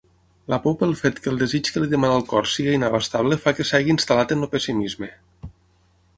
La por pel fet que el desig que li demana el cor sigui inabastable fa que s'hagi instal·lat en el pessimisme.